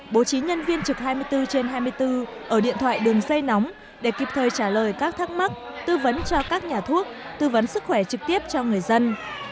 bố trí nhân viên trực hai mươi bốn trên hai mươi bốn ở điện thoại đường dây nóng để kịp thời trả lời các thắc mắc tư vấn cho các nhà thuốc tư vấn sức khỏe trực tiếp cho người dân